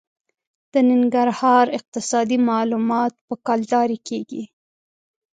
د ننګرهار اقتصادي معاملات په کلدارې کېږي.